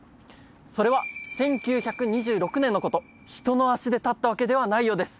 それは１９２６年のこと人の足で立ったわけではないようです